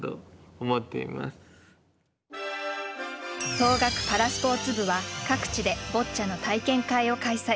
ＴＯＧＡＫＵパラスポーツ部は各地でボッチャの体験会を開催。